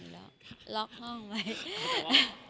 ล๊อกห้องบ้าง